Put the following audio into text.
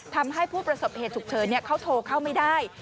ทำให้ผู้ประสบเหตุฉุกเฉินเขาโทรเข้าไม่ได้